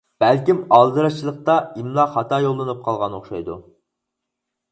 بەلكىم ئالدىراشچىلىقتا ئىملا خاتا يوللىنىپ قالغان ئوخشايدۇ.